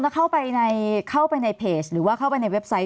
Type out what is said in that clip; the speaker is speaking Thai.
ถ้าเข้าไปในเพจหรือว่าเข้าไปในเว็บไซต์